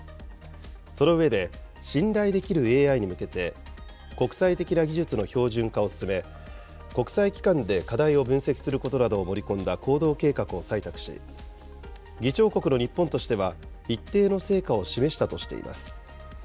その上で、信頼できるＡＩに向けて、国際的な技術の標準化を進め、国際機関で課題を分析することなどを盛り込んだ行動計画を採択し、議長国の日本としては、一定の成果を示したとしています。